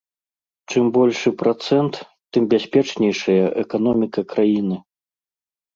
Чым большы працэнт, тым бяспечнейшая эканоміка краіны.